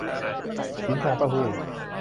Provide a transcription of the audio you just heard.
หินฟองเต้าหู้